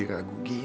ya ya sudah